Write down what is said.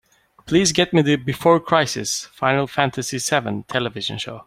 Please get me the Before Crisis: Final Fantasy VII television show.